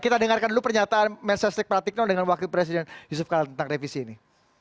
kita dengarkan dulu pernyataan mensatisik pratikno dengan wakil presiden yusuf kalantang revisi ini